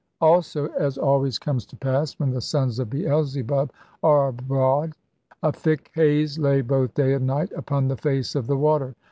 Also, as always comes to pass when the sons of Beelzebub are abroad, a thick haze lay both day and night upon the face of the water.